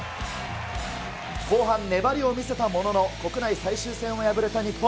後半、粘りを見せたものの、国内最終戦に敗れた日本。